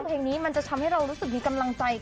ผมก็รู้สึกมีกำลังใจขึ้น